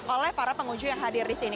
oleh para pengunjung yang hadir di sini